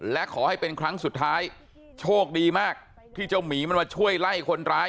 และขอให้เป็นครั้งสุดท้ายโชคดีมากที่เจ้าหมีมันมาช่วยไล่คนร้าย